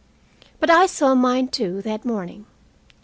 But I saw mine, too, that morning.